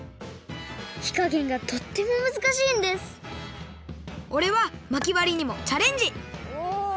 ひかげんがとってもむずかしいんですおれはまきわりにもチャレンジ！